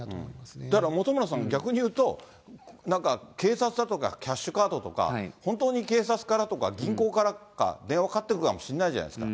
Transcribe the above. だから本村さん、逆に言うと、なんか警察だとか、キャッシュカードとか、本当に警察からとか、銀行からか電話がかかってくるかもしれないじゃないですか。